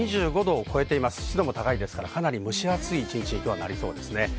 湿度も高いですから、蒸し暑い一日になりそうです。